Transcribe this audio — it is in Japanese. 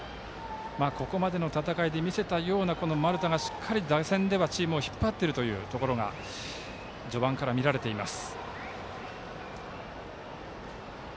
ここまでの戦いで見せたような、丸田がしっかり打線ではチームを引っ張っているというところが序盤から見られています。